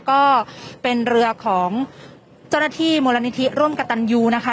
ก็เป็นเรือของเจ้าหน้าที่มูลนิธิร่วมกับตันยูนะคะ